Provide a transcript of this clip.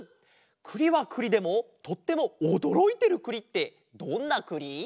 くりはくりでもとってもおどろいてるくりってどんなくり？